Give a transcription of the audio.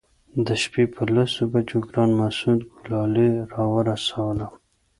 د شپې پر لسو بجو ګران مسعود ګلالي راورسولم.